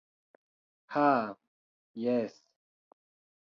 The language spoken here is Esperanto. Ha, jes.